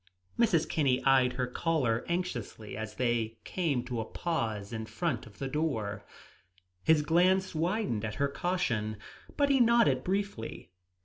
Mrs. Kinney eyed her caller anxiously as they came to a pause in front of the door. His glance widened at her caution, but he nodded briefly.